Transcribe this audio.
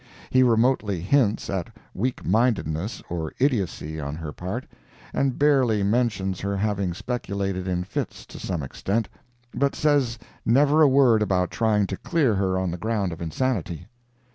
He remotely hints at weak mindedness, or idiocy, on her part, and barely mentions her having speculated in fits to some extent, but says never a word about trying to clear her on the ground of insanity.